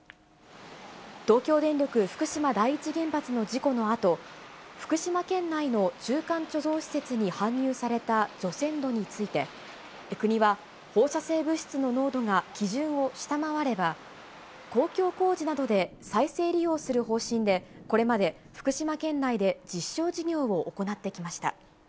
東京電力福島第一原発の事故のあと、福島県内の中間貯蔵施設に搬入された除染土について、国は、放射性物質の濃度が基準を下回れば、公共工事などで再生利用する方針で、これまで福島県内で実証事業を行ってきました。